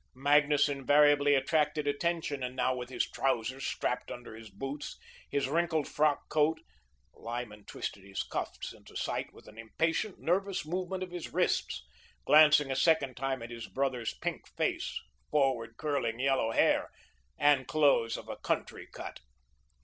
Magnus invariably attracted attention, and now with his trousers strapped under his boots, his wrinkled frock coat Lyman twisted his cuffs into sight with an impatient, nervous movement of his wrists, glancing a second time at his brother's pink face, forward curling, yellow hair and clothes of a country cut.